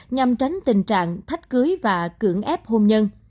nhằm tránh tình trạng thách cưới và cưỡng ép hôn nhân